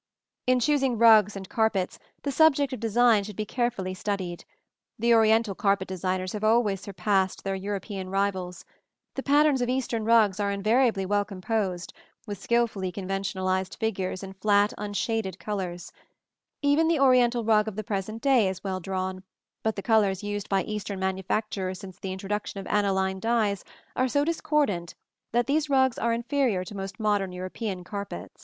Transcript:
In choosing rugs and carpets the subject of design should be carefully studied. The Oriental carpet designers have always surpassed their European rivals. The patterns of Eastern rugs are invariably well composed, with skilfully conventionalized figures in flat unshaded colors. Even the Oriental rug of the present day is well drawn; but the colors used by Eastern manufacturers since the introduction of aniline dyes are so discordant that these rugs are inferior to most modern European carpets. [Illustration: PLATE XXVI. CEILING IN THE STYLE OF BÉRAIN.